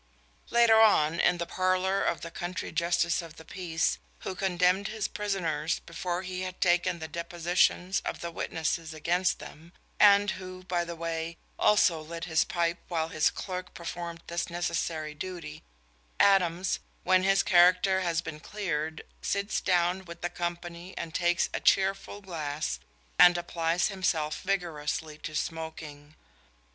Later on, in the parlour of the country Justice of the Peace, who condemned his prisoners before he had taken the depositions of the witnesses against them, and who, by the way, also lit his pipe while his clerk performed this necessary duty, Adams, when his character has been cleared, sits down with the company and takes a cheerful glass and applies himself vigorously to smoking.